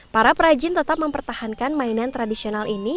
para perajin tetap mempertahankan mainan tradisional ini